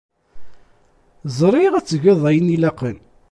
Ẓriɣ ad tgeḍ ayen ilaqen.